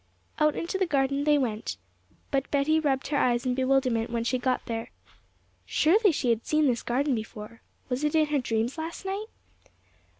Out into the garden they went; but Betty rubbed her eyes in bewilderment when she got there. Surely she had seen this garden before! Was it in her dreams last night?